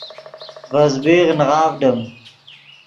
ڤے زبیغ نغاڤڈیم